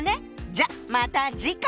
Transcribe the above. じゃあまた次回！